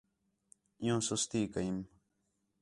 عِیّوں سُستی کیم